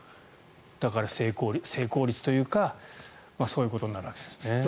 だから、成功率というかそういうことになるわけですね。